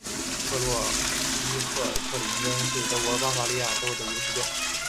特罗伊赫特林根是德国巴伐利亚州的一个市镇。